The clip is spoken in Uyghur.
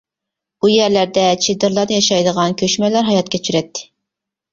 ئۇ يەرلەردە چېدىرلاردا ياشايدىغان كۆچمەنلەر ھايات كەچۈرەتتى.